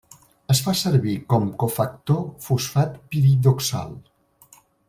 Es fa servir com cofactor fosfat piridoxal.